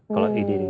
kalau di diri